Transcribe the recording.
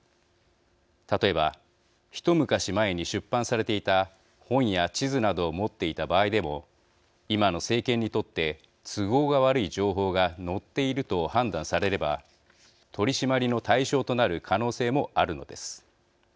例えば、一昔前に出版されていた本や地図などを持っていた場合でも今の政権にとって都合が悪い情報が載っていると判断されれば取締りの対象となる可能性もあるのです。